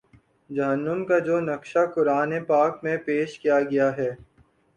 جہنم کا جو نقشہ قرآن پاک میں پیش کیا گیا ہے